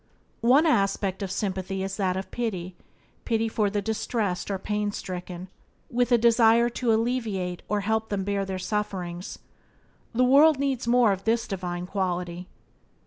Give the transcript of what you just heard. One aspect of sympathy is that of pity — pity for the distressed or pain stricken, with a desire to alleviate or help them bear their sufferings. The world needs more of this divine quality.